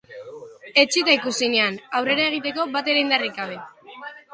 Etsita ikusi nian, aurrera egiteko batere indarrik gabe.